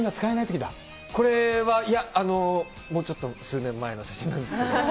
これは、いや、もうちょっと数年前の写真なんですけど。